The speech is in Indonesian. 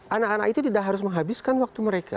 anak anak itu tidak harus menghabiskan waktu mereka